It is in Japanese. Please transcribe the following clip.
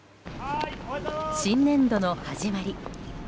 新年度の始まり。